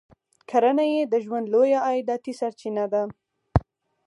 کرنه یې د ژوند لویه عایداتي سرچینه ده.